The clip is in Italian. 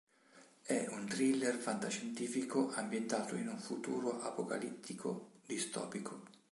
È un thriller fantascientifico ambientato in un futuro apocalittico distopico.